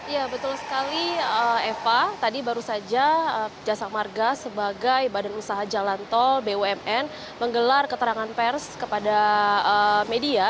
ya betul sekali eva tadi baru saja jasa marga sebagai badan usaha jalan tol bumn menggelar keterangan pers kepada media